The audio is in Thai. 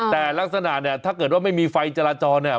แต่ลักษณะเนี่ยถ้าเกิดว่าไม่มีไฟจราจรเนี่ย